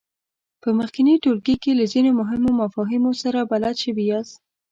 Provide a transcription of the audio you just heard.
په مخکېني ټولګي کې له ځینو مهمو مفاهیمو سره بلد شوي یاست.